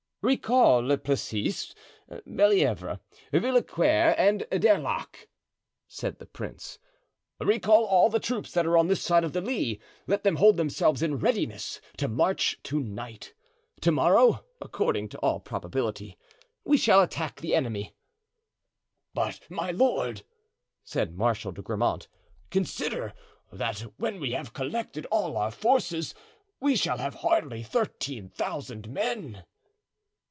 "Recall Le Plessis, Bellievre, Villequier and D'Erlac," said the prince, "recall all the troops that are on this side of the Lys. Let them hold themselves in readiness to march to night. To morrow, according to all probability, we shall attack the enemy." "But, my lord," said Marshal de Grammont, "consider that when we have collected all our forces we shall have hardly thirteen thousand men."